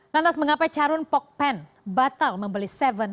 lantas mengapa carun pogpen batal membeli tujuh sebelas